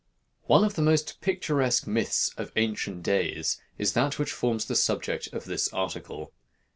One of the most picturesque myths of ancient days is that which forms the subject of this article.